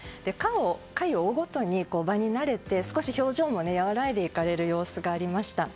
回を追うごとに場に慣れて表情も和らいでいかれる様子がありました。